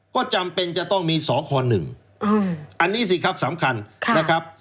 ก็จำเป็นจะต้องมีสค๑อันนี้สิครับสำคัญนะครับ